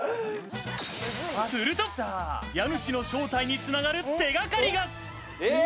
すると、家主の正体に繋がる手掛かりが。